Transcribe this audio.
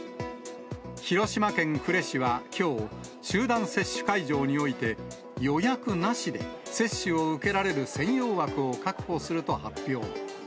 広島県呉市はきょう、集団接種会場において予約なしで接種を受けられる専用枠を確保すると発表。